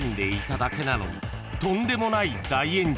［とんでもない大炎上］